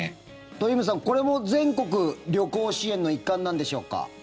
鳥海さんこれも全国旅行支援の一環なんでしょうか。